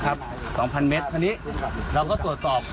อันนี้เราก็ตรวจสอบ